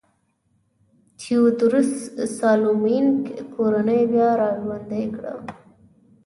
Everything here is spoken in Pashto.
تیوودروس سالومونیک کورنۍ بیا را ژوندی کړه.